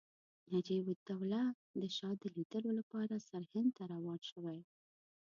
نجیب الدوله د شاه د لیدلو لپاره سرهند ته روان شوی.